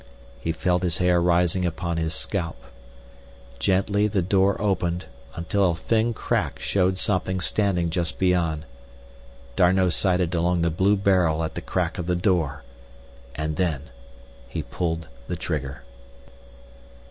He felt his hair rising upon his scalp. Gently the door opened until a thin crack showed something standing just beyond. D'Arnot sighted along the blue barrel at the crack of the door—and then he pulled the trigger.